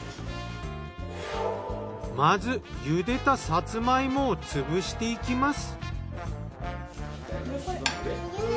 まず茹でたさつま芋を潰していきます。